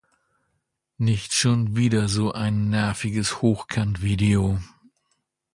Nicht schon wieder so ein nerviges Hochkantvideo!